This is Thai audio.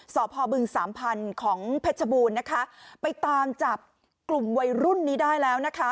สอบพบึงสามพันธุ์ของเพชรบูรณ์นะคะไปตามจับกลุ่มวัยรุ่นนี้ได้แล้วนะคะ